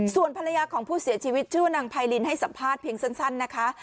ส่วนภรรยาของผู้เสียชีวิตชื่อว่านางไพรินให้สัมภาษณ์เพียงสั้นนะคะ